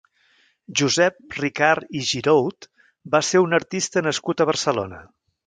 Josep Ricart i Giroud va ser un artista nascut a Barcelona.